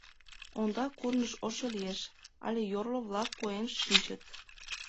Ондак курныж ошо лиеш, але йорло-влак поен шинчыт!